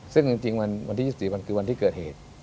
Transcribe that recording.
ซึ่งจริงวันที่๒๔มันคือวันที่เกิดเหตุ